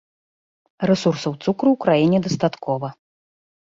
Рэсурсаў цукру ў краіне дастаткова.